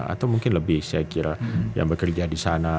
atau mungkin lebih saya kira yang bekerja di sana